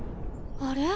あれ？